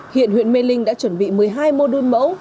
hiện huyện mê linh đã chuẩn bị một mươi hai mô đun mẫu